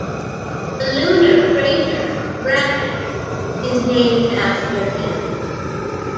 The lunar crater Brackett is named after him.